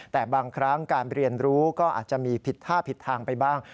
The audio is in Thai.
แต่บางครั้งการเรียนรู้ก็อาจจะมีผิดท่าผิดทางไปบ้าง